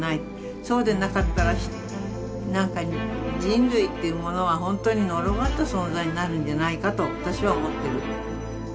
そうでなかったら何か人類というものは本当に呪われた存在になるんじゃないかと私は思ってる。